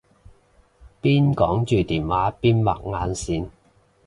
邊講住電話邊畫眼線